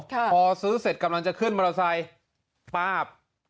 พอซื้อเสร็จกำลังจะขึ้นมอเตอร์ไซค์ป้าบ